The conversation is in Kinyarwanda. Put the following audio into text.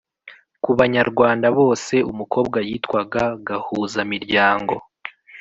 Ku Banyarwanda bose umukobwa yitwaga "gahuzamiryango",